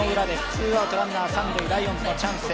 ツーアウト、ランナー三塁ライオンズのチャンス。